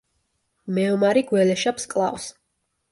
მეომარი გველეშაპს კლავს.